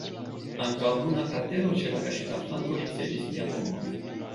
Ankaŭ luna kratero ĉe la kaŝita flanko ricevis lian nomon.